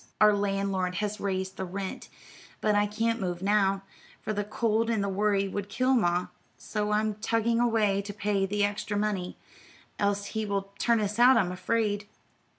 "Our landlord has raised the rent, but I can't move now, for the cold and the worry would kill ma; so I'm tugging away to pay the extra money, else he will turn us out, I'm afraid."